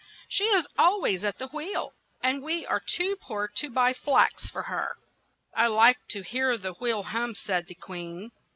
She is al ways at the wheel, and we are too poor to buy flax for her." "I like to hear the wheel hum," said the queen.